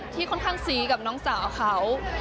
ค่อนข้างซีกับน้องสาวเขา